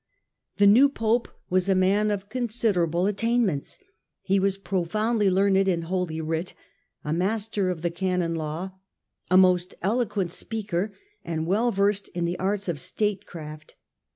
The new Pope was a man of considerable attain ments. He was profoundly learned in Holy Writ, a master of the Canon Law, a most eloquent speaker, and well versed in the arts of statecraft.